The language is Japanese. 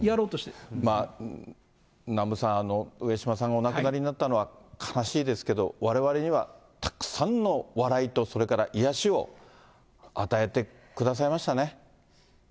南部さん、上島さんがお亡くなりになったのは悲しいですけど、われわれにはたくさんの笑いと、それから癒やしを与えてくださいましたね。